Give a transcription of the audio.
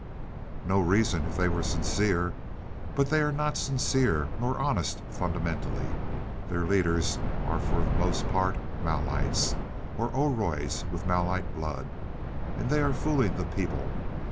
"No reason, if they were sincere. But they are not sincere nor honest fundamentally. Their leaders are for the most part Malites, or Oroids with Malite blood. And they are fooling the people.